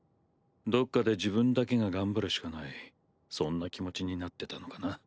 どっかで自分だけが頑張るしかないそんな気持ちになってたのかな。